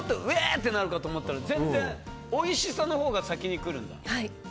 ってなるかと思ったら全然おいしさのほうが先に来るの？